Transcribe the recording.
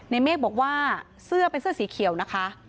เมฆบอกว่าเสื้อเป็นเสื้อสีเขียวนะคะ